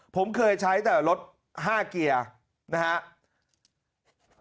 ผมเคยใช้แต่รถ๕เกียร์นะครับ